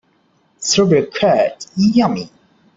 Strawberry curd, yummy!